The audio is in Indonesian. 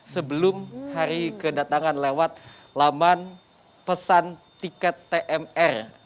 sebelum hari kedatangan lewat laman pesan tiket tmr